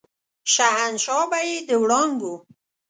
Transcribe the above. شهنشاه به يې د وړانګو